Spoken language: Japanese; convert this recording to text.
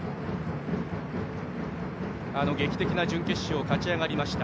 劇的な準決勝を勝ち上がりました。